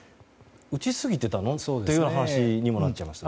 打ちすぎてたの？って話にもなっちゃいますよね。